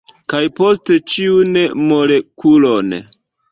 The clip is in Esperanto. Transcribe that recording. Kaj poste ĉiun molekulon.